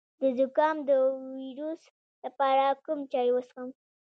د زکام د ویروس لپاره کوم چای وڅښم؟